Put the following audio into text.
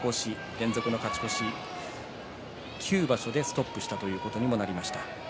連続の勝ち越し９場所でストップしたということにもなりました。